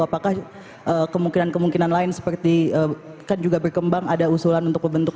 apakah kemungkinan kemungkinan lain seperti kan juga berkembang ada usulan untuk membentuk